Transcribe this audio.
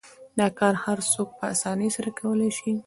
دا کار هر څوک په اسانۍ سره کولای شي.